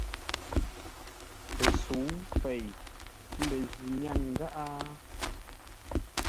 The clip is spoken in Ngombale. Pəsə̌u pêi lə ji nyáŋ gháʼá?